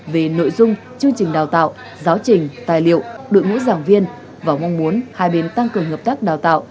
về nội dung chương trình đào tạo giáo trình tài liệu đội ngũ giảng viên và mong muốn hai bên tăng cường hợp tác đào tạo